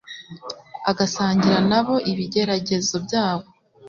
agasangira na bo ibigeragezo byabo,